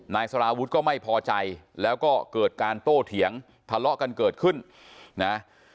นายสารวุฒิก็ไม่พอใจแล้วก็เกิดการโต้เถียงทะเลาะกันเกิดขึ้นนะ